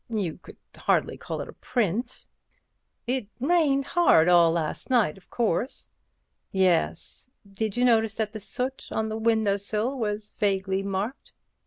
You could hardly call it a print." "It rained hard all last night, of course." "Yes; did you notice that the soot on the window sill was vaguely marked?"